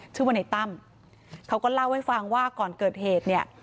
ชื่อว่าในตั้มเขาก็เล่าให้ฟังว่าก่อนเกิดเหตุเนี่ย